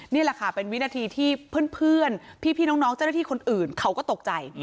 นี่แหละค่ะเป็นวินาทีที่เพื่อนพี่น้องเจ้าหน้าที่คนอื่นเขาก็ตกใจ